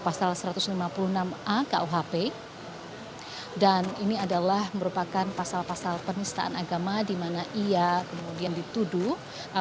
pasal satu ratus lima puluh enam a kuhp dan ini adalah merupakan pasal pasal penistaan agama di mana ia kemudian dituduh